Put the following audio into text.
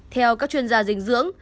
theo các chuyên gia dinh dưỡng